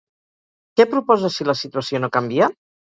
Què proposa si la situació no canvia?